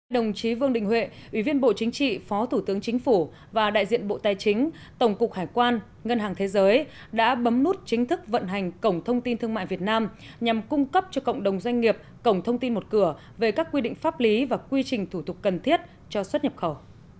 đồng chí vương đình huệ ủy viên bộ chính trị phó thủ tướng chính phủ và đại diện bộ tài chính tổng cục hải quan ngân hàng thế giới đã bấm nút chính thức vận hành cổng thông tin thương mại việt nam nhằm cung cấp cho cộng đồng doanh nghiệp cổng thông tin một cửa về các quy định pháp lý và quy trình thủ tục cần thiết cho xuất nhập khẩu